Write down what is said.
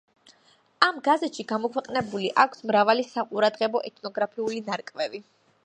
ამ გაზეთში გამოქვეყნებული აქვს მრავალი საყურადღებო ეთნოგრაფიული ნარკვევი.